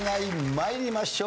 参りましょう。